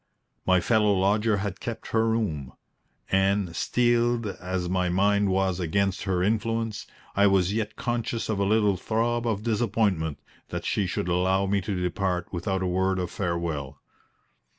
My fellow lodger had kept her room; and, steeled as my mind was against her influence, I was yet conscious of a little throb of disappointment that she should allow me to depart without a word of farewell.